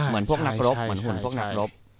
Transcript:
เหมือนพวกนักรบ